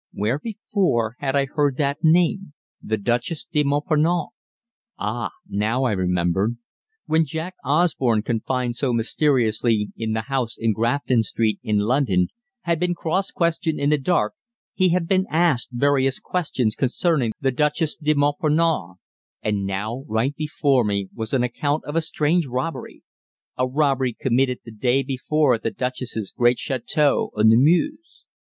Where, before, had I heard that name "the Duchesse de Montparnasse"? Ah, now I remembered. When Jack Osborne, confined so mysteriously in the house in Grafton Street, in London, had been cross questioned in the dark, he had been asked various questions concerning the Duchesse de Montparnasse. And now, right before me, was an account of a strange robbery, a robbery committed the day before at the Duchesse's great château on the Meuse!